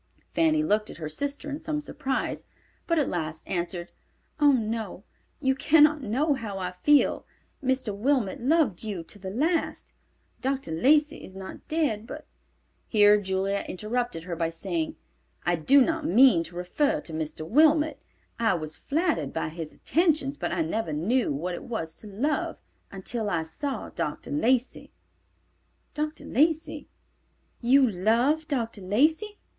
Fanny looked at her sister in some surprise, but at last answered, "Oh no, you cannot know how I feel. Mr. Wilmot loved you to the last. Dr. Lacey is not dead, but—" Here Julia interrupted her by saying, "I do not mean to refer to Mr. Wilmot. I was flattered by his attentions, but I never knew what it was to love until I saw Dr. Lacey." "Dr. Lacey!—You love Dr. Lacey!"